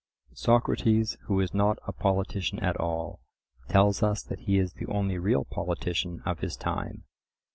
Socrates, who is not a politician at all, tells us that he is the only real politician of his time.